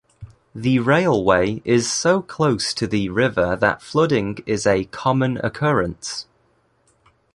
The railway is so close to the river that flooding is a common occurrence.